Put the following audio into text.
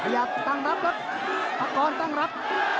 ระเยาะตั้งรับละตากรั้ป